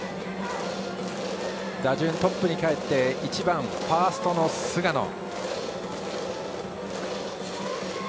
打順トップにかえって１番ファーストの菅野。